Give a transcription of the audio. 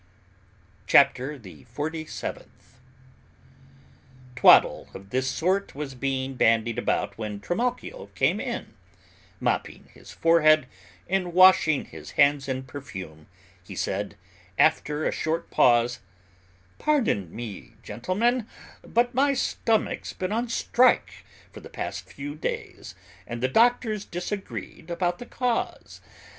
'" CHAPTER THE FORTY SEVENTH. Twaddle of this sort was being bandied about when Trimalchio came in; mopping his forehead and washing his hands in perfume, he said, after a short pause, "Pardon me, gentlemen, but my stomach's been on strike for the past few days and the doctors disagreed about the cause.